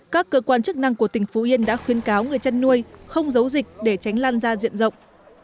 các cơ quan chức năng của tỉnh phú yên đã khuyên cáo người chăn nuôi không giấu dịch để tránh lan gia diện rộng